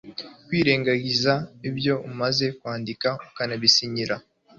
kwirengagiza ibyo umaze kwandika ukanabisinyira